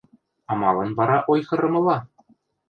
А малын вара ойхырымыла?